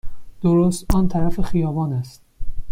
درست آن طرف خیابان است.